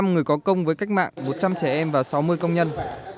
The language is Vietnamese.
hai mươi năm người có công với cách mạng một trăm linh trẻ em và sáu mươi công nhân